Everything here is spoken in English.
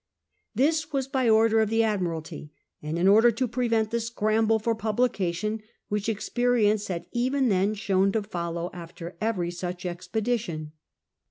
This was by order of the Admiralty, and in order to prevent the scramble for publication which experience had even then shown to follow after every such expedition.